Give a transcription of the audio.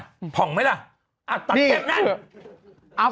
อ้าวผ่องไหมล่ะอ้าวตัดแค่นั้น